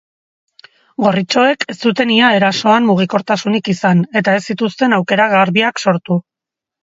Gorritxoek ez zuten ia erasoan mugikortasunik izan eta ez zituzten aukera garbiak sortu.